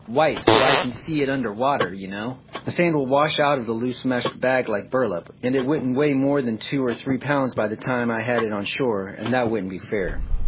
White, so I can see it under water, you know. The sand will wash out of a loose meshed bag like burlap, and it wouldn't weigh more than two or three pounds by the time I had it on shore, and that wouldn't be fair."